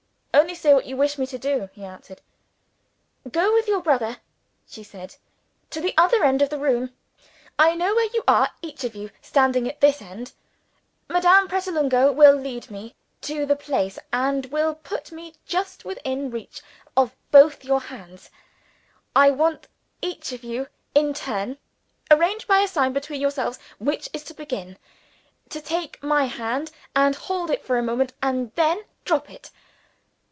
"Only say what you wish me to do!" he answered. "Go with your brother," she said, "to the other end of the room. I know where you are each of you standing, at this end. Madame Pratolungo will lead me to the place, and will put me just within reach of both your hands. I want each of you in turn (arrange by a sign between yourselves which is to begin) to take my hand, and hold it for a moment, and then drop it.